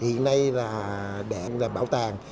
hiện nay là để làm bảo tàng